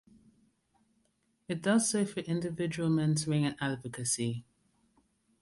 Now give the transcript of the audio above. It does so through individual mentoring and advocacy.